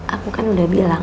aku kan udah bilang